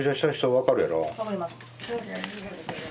分かります。